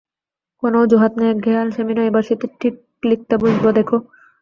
কোনো অজুহাত নয়, একঘেয়ে আলসেমি নয়, এবার শীতে ঠিক লিখতে বসব, দেখো।